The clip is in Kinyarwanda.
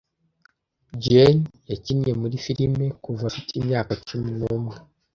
Jane yakinnye muri firime kuva afite imyaka cumi n'umwe.